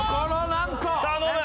頼む！